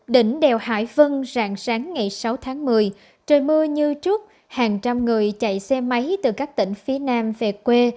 đỉnh đèo hải vân rạng sáng ngày sáu tháng một mươi trời mưa như trước hàng trăm người chạy xe máy từ các tỉnh phía nam về quê